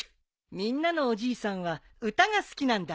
みんなのおじいさんは歌が好きなんだね。